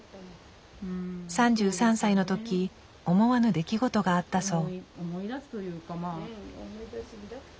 ３３歳のとき思わぬ出来事があったそう。